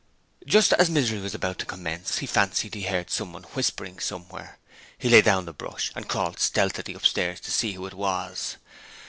Just as Misery was about to commence he fancied he heard someone whispering somewhere. He laid down the brush and crawled stealthily upstairs to see who it was.